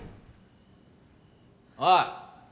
おい！